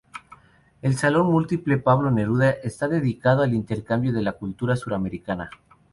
El Salón Múltiple Pablo Neruda está dedicado al intercambio de la cultura suramericana.